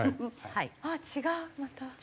あっ違うまた。